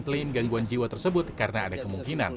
klaim gangguan jiwa tersebut karena ada kemungkinan